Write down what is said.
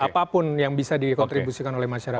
apapun yang bisa dikontribusikan oleh masyarakat